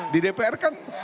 di dpr kan